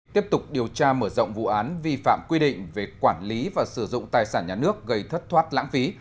tiếp tục điều tra mở rộng vụ án vi phạm quy định về quản lý và sử dụng tài sản nhà nước gây thất thoát lãng phí